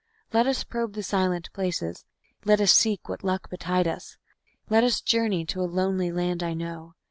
Let us probe the silent places, let us seek what luck betide us; Let us journey to a lonely land I know.